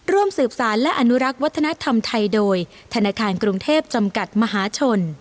ร่วมสืบสารและอนุรักษ์วัฒนธรรมไทยโดยธนาคารกรุงเทพจำกัดมหาชน